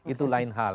itu lain hal